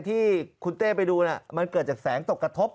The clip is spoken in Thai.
ที่คุณเต้ไปดูมันเกิดจากแสงตกกระทบ